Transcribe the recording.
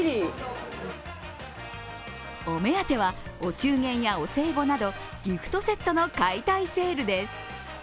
お目当てはお中元やお歳暮などギフトセットの解体セールです。